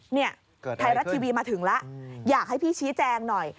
ไทยรัฐทีวีมาถึงแล้วอยากให้พี่ชี้แจงหน่อย